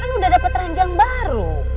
kan udah dapat ranjang baru